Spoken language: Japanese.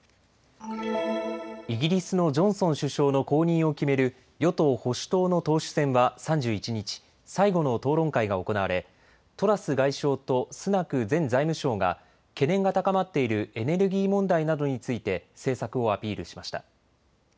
イギリスのジョンソン首相の後任を決める与党・保守党の党首選は３１日、最後の討論会が行われトラス外相とスナク前財務相が懸念が高まっているエネルギー問題などについて政策をアピールしました。